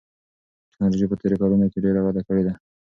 تکنالوژي په تېرو کلونو کې ډېره وده کړې ده.